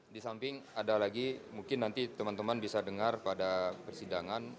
di samping ada lagi mungkin nanti teman teman bisa dengar pada persidangan